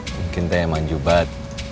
mungkin teh yang manjubat